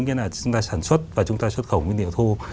nghĩa là chúng ta sản xuất và chúng ta xuất khẩu nguyên liệu thô